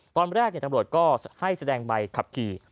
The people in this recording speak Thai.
ตอนแรกตำรวจก็ให้แสดงใบขับขี่